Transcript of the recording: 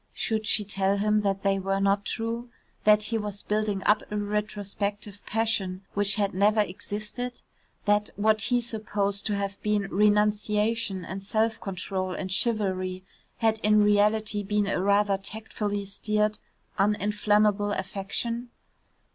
Should she tell him that they were not true? That he was building up a retrospective passion which had never existed? That what he supposed to have been renunciation and self control and chivalry had in reality been a rather tactfully steered uninflammable affection?